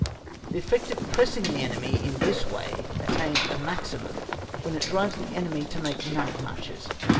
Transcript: The effect of pressing the enemy in this way attains a maximum when it drives the enemy to make night marches.